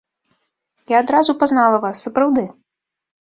Я адразу пазнала вас, сапраўды.